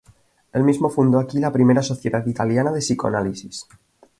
Él mismo fundó aquí la primera Sociedad Italiana de psicoanálisis.